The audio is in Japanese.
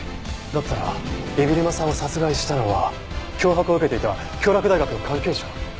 だったら海老沼さんを殺害したのは脅迫を受けていた京洛大学の関係者？